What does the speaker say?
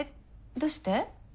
どうして？